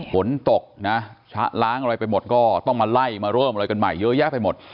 ฝนตกนะชะล้างอะไรไปหมดก็ต้องมาไล่มาเริ่มอะไรกันใหม่เยอะแยะไปหมด